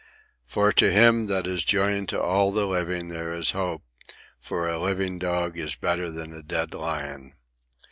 "For to him that is joined to all the living there is hope; for a living dog is better than a dead lion.